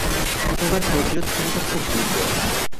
তোমার প্রতিরোধ ক্ষমতা খুব দুর্বল।